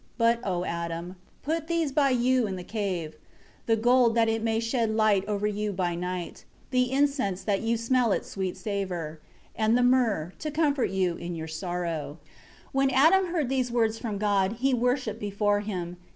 3 But, O Adam, put these by you in the cave; the gold that it may shed light over you by night; the incense, that you smell its sweet savor; and the myrrh, to comfort you in your sorrow." 4 When Adam heard these words from God, he worshipped before Him.